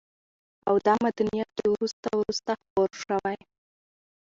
او دا مدنيت چې وروسته وروسته خپور شوى